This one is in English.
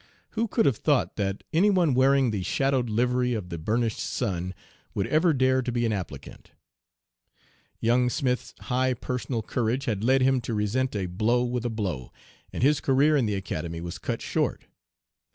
Who could have thought that any one wearing the 'shadowed livery of the burnished sun' would ever dare to be an applicant? Young Smith's high personal courage had led him to resent a blow with a blow, and his career in the Academy was cut short.